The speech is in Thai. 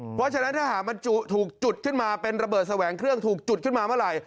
เพราะฉะนั้นถ้าหากมันถูกจุดขึ้นมาเป็นระเบิดแสวงเครื่องถูกจุดขึ้นมาเมื่อไหร่